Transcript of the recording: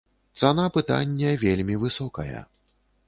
Цана пытання вельмі высокая.